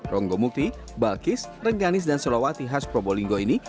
ronggo mukti balkis reganis dan solowati khas probolinggo ini